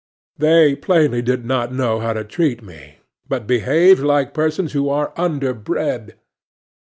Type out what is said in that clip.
They plainly did not know how to treat me, but behaved like persons who are underbred.